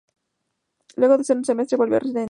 Luego de un semestre, volvió a Rentistas.